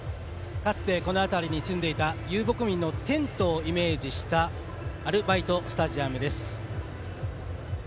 かつてこの辺りに住んでいた遊牧民のテントをイメージしたアルバイトスタジアムです。